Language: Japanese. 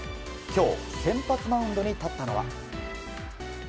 今日先発マウンドに立ったのは。